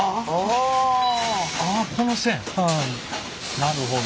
なるほど。